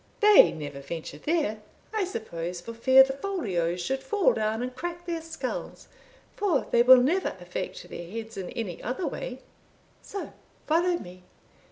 They never venture there, I suppose for fear the folios should fall down and crack their skulls; for they will never affect their heads in any other way So follow me."